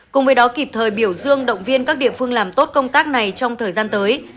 cùng với đó kịp thời biểu dương động viên các địa phương làm tốt công tác này trong thời gian tới